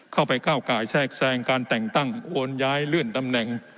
เข้าไปก้าวไก่แทรกแซงการแต่งตั้งโวนย้ายเลื่อนตำแหน่ง